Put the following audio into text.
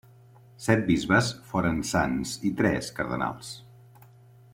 Set bisbes foren sants i tres cardenals.